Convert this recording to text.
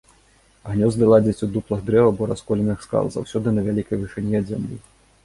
Гнёзды ладзяць у дуплах дрэў альбо расколінах скал, заўсёды на вялікай вышыні ад зямлі.